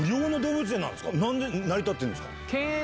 何で成り立ってるんですか？